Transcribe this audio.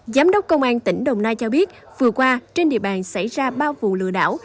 giám đốc công an tỉnh đồng nai cho biết vừa qua trên địa bàn xảy ra ba vụ lừa đảo